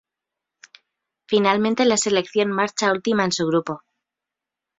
Finalmente, la selección marcha última en su grupo.